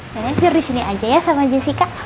neneng jual disini aja ya sama jessica